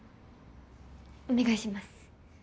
お願いします。